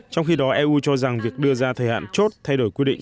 trong khi đó eu cho rằng việc đưa ra thời hạn chốt thay đổi quy định